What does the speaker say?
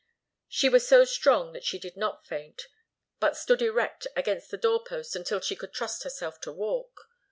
She was so strong that she did not faint, but stood erect against the door post until she could trust herself to walk.